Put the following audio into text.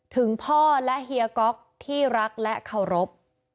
ถึงพ่อและเฮียก๊อกที่รักและเคารพ